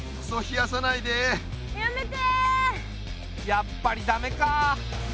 やっぱり駄目か。